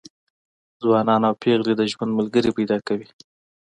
ځوانان او پېغلې د ژوند ملګري پیدا کوي.